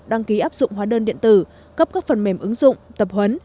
đăng ký áp dụng hóa đơn điện tử cấp các phần mềm ứng dụng tập huấn